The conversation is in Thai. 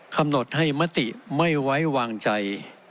กำหนดให้มติไม่ไว้วางใจ